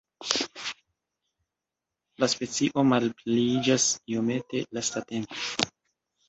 La specio malpliiĝas iomete lastatempe.